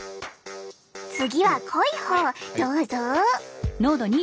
次は濃いほうどうぞ！